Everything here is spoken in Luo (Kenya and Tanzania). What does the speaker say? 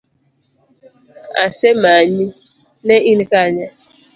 Asemanyi, ne in Kanye?